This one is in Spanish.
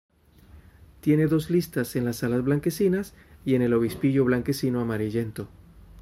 Tiene dos listas en las alas blanquecinas y el obispillo blanquecino amarillento.